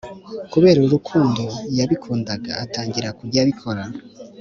kubera urukundo yabikundaga atangira kujya abikora